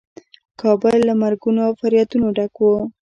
کابل له مرګونو او فریادونو ډک و.